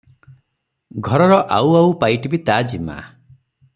ଘରର ଆଉ ଆଉ ପାଇଟି ବି ତା ଜିମା ।